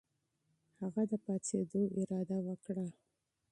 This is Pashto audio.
هغه د پاڅېدو اراده وکړه.